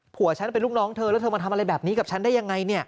ผัวฉันเป็นลูกน้องเธอแล้วเธอมาทำอะไรแบบนี้กับฉันได้ยังไง